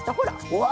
うわ！